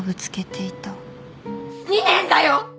２年だよ！？